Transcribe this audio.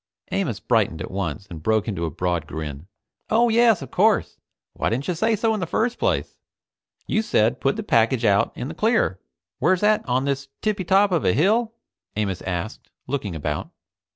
Amos brightened at once and broke into a broad grin. "Oh yes, of course. Why didn't you say so in the first place? You said, put the package out in the clear. Where's that, on this tippy top of a hill?" Amos asked, looking about.